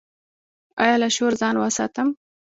ایا له شور ځان وساتم؟